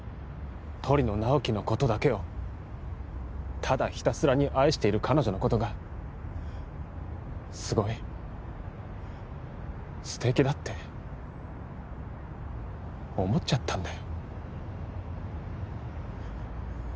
鳥野直木のことだけをただひたすらに愛している彼女のことがすごい素敵だって思っちゃったんだよ